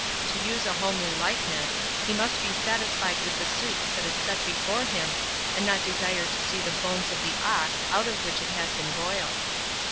To use a homely likeness, he must be satisfied with the soup that is set before him, and not desire to see the bones of the ox out of which it has been boiled.